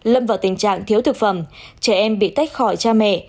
lâm vào tình trạng thiếu thực phẩm trẻ em bị tách khỏi cha mẹ